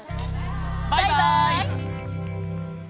バイバーイ。